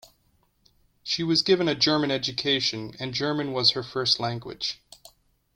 She was given a German education, and German was her first language.